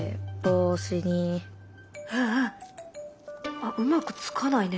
あっうまくつかないね。